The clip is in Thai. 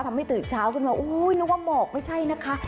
ตื่นเช้าขึ้นมาอุ้ยนึกว่าหมอกไม่ใช่นะคะ